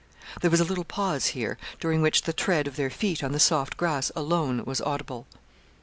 There was a little pause here, during which the tread of their feet on the soft grass alone was audible.